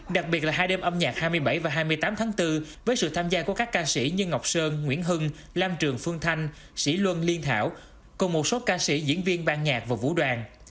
đặc biệt là hai đêm âm nhạc hai mươi bảy và hai mươi tám tháng bốn với sự tham gia của các ca sĩ như ngọc sơn nguyễn hưng lam trường phương thanh sĩ luân liên thảo cùng một số ca sĩ diễn viên ban nhạc và vũ đoàn